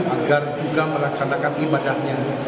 agar juga melaksanakan ibadahnya